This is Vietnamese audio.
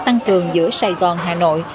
tăng cường giữa sài gòn hà nội